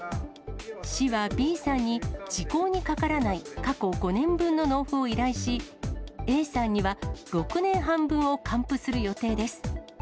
市はＢさんに時効にかからない過去５年分の納付を依頼し、Ａさんには、６年半分を還付する予定です。